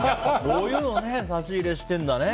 こういうの差し入れしてるんだね。